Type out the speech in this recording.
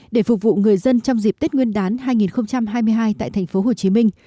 để phục vụ người dân trong dịp tết nguyên đán hai nghìn hai mươi hai tại thành phố hồ chí minh